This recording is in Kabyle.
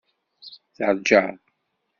Teṛja.